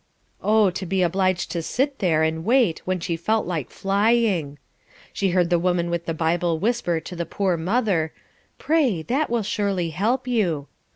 Oh, to be obliged to sit there and wait when she felt like flying! She heard the woman with the Bible whisper to the poor mother, "Pray; that will surely help you."